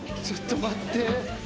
ちょっと待って。